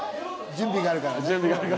準備があるから。